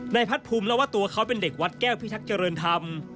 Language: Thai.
พัดภูมิเล่าว่าตัวเขาเป็นเด็กวัดแก้วพิทักษ์เจริญธรรม